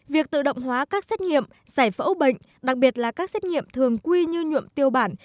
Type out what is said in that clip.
việc tự động hóa các xét nghiệm giải phẫu bệnh đặc biệt là các xét nghiệm thường quy như nhuộm tiêu bản